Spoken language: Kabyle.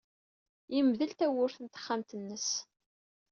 Yemdel tawwurt n texxamt-nnes.